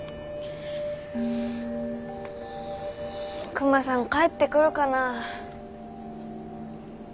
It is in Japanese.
クマさん帰ってくるかなあ？